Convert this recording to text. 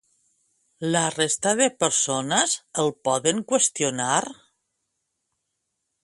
La resta de persones el poden qüestionar?